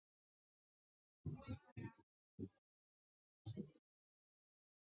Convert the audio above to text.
宽基多叶蓼为蓼科蓼属下的一个变种。